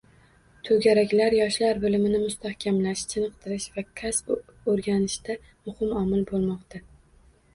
To‘garaklar yoshlar bilimini mustahkamlash, chiniqtirish va kasb o‘rganishida muhim omil bo‘lmoqda